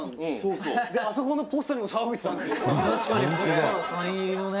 「確かにポスターサイン入りのね」